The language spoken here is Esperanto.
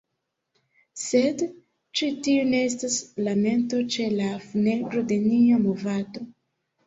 Sed ĉi tiu ne estas lamento ĉe la funebro de nia movado.